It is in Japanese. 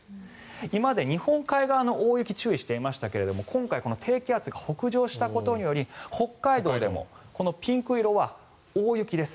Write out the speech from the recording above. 今まで日本海側の大雪に注意していましたが今回、この低気圧が北上したことにより北海道でもピンク色は大雪です。